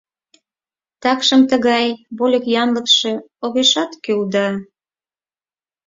Такшым тыгай вольык-янлыкше огешат кӱл да...